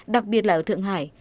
đặc biệt là ở thượng hải